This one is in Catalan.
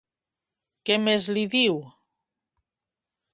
Què més li diu?